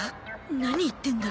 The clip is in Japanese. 何言ってんだ？